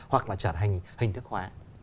hoặc là trở thành hình thức hóa